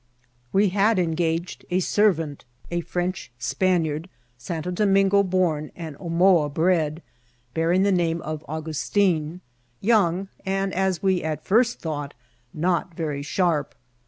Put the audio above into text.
We had engaged a servant, a French Spaniard, St. Domingo born and Oipoa bred^ bearing the name of Augustin ; young, and, as we at first thought, not very sharp.